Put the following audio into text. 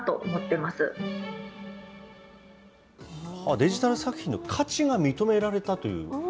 デジタル作品の価値が認められたという。